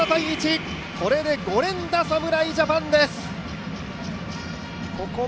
これで５連打、侍ジャパンです。